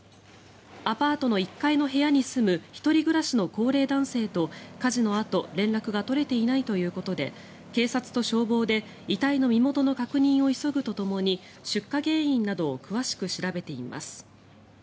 アパートの１階の部屋に住む１人暮らしの高齢男性と火事のあと連絡が取れていないということで警察と消防で遺体の身元の確認を急ぐとともに出火原因などを詳しく調べています。